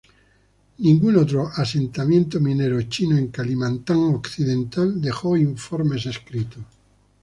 Ningún otro asentamiento minero chino en Kalimantan Occidental dejó informes escritos.